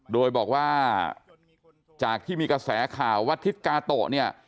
โดยบอกว่าจากที่มีกระแสข่าวว่าทิศกาโตะเนี่ย